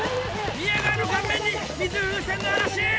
宮川の顔面に水風船の嵐！